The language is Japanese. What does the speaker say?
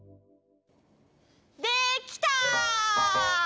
できた！